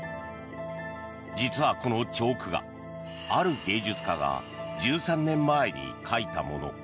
実は、このチョーク画ある芸術家が１３年前に描いたもの。